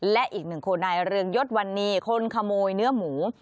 และอีกหนึ่งคนนายเรืองยศวันนี้คนขโมยเนื้อหมู